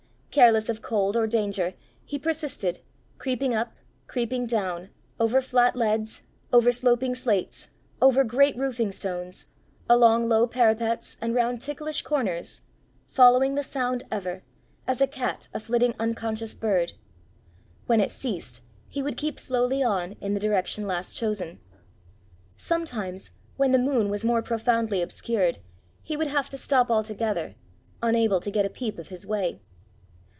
Careless of cold or danger, he persisted, creeping up, creeping down, over flat leads, over sloping slates, over great roofing stones, along low parapets, and round ticklish corners following the sound ever, as a cat a flitting unconscious bird: when it ceased, he would keep slowly on in the direction last chosen. Sometimes, when the moon was more profoundly obscured, he would have to stop altogether, unable to get a peep of his way.